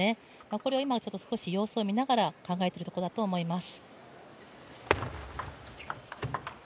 これを今、少し様子を見ながら考えているところだと思います。